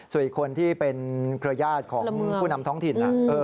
ส่วนอีกคนที่เป็นเครือญาติของผู้นำท้องถิ่น